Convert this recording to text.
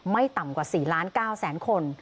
ไม่ต่ำกว่า๔ล้าน๙แสนคน